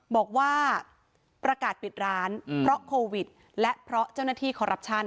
บอกว่าประกาศปิดร้านเพราะโควิดและเพราะเจ้าหน้าที่คอรัปชั่น